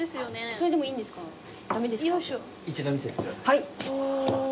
はい。